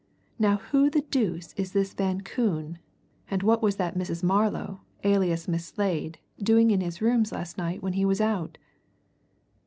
Now who the deuce is this Van Koon, and what was that Mrs. Marlow, alias Miss Slade, doing in his rooms last night when he was out?"